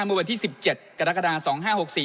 เมื่อวันที่๑๗กุมภาคมสองห้าหกสี่